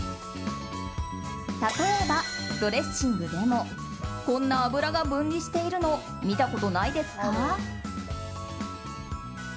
例えば、ドレッシングでもこんな油が分離しているの見たことないですか？